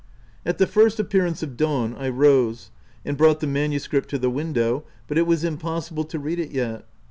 At the first appearance of dawn I rose, and brought the manuscript to the window, but it was impossible to read it yet.